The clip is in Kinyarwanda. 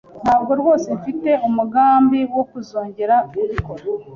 Ntabwo rwose mfite umugambi wo kuzongera kubikora.